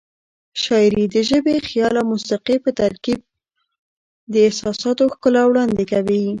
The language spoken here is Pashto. شاعري د ژبې، خیال او موسيقۍ په ترکیب د احساساتو ښکلا وړاندې کوي.